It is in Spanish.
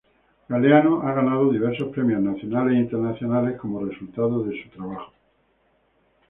Galeano ha ganado diversos premios nacionales e internacionales como resultado de su trabajo.